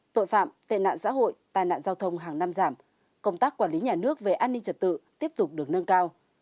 tại nạn xã hội tài nạn giao thông hàng năm giảm công tác quản lý nhà nước về an ninh trật tự tiếp tục được nâng cao